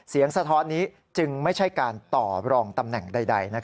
สะท้อนนี้จึงไม่ใช่การต่อรองตำแหน่งใด